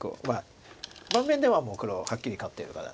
盤面ではもう黒はっきり勝ってるから。